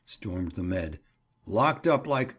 stormed the med. "Locked up like—?"